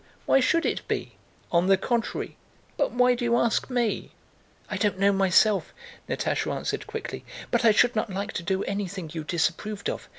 Why should it be? On the contrary... But why do you ask me?" "I don't know myself," Natásha answered quickly, "but I should not like to do anything you disapproved of.